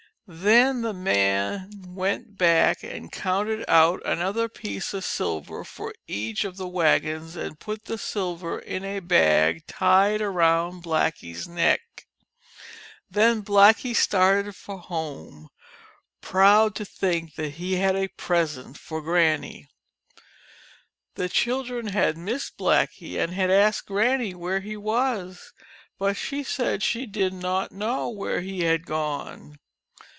Then the man went back and counted out another piece of silver for each of the wagons and put the sil ver in a bag tied around Blackie's neck. Then Blackie started for home, proud to think that he had a present for Granny. The children had missed Blackie and had asked Granny where he was, but she said she did not know where he had gone.